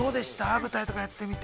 舞台とかやってみて。